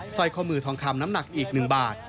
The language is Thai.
สร้อยข้อมือทองคำน้ำหนักอีก๑บาท